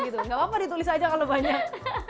oh gitu gak apa apa ditulis aja kalau banyak